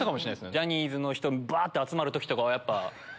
ジャニーズの人バ！って集まる時とかは。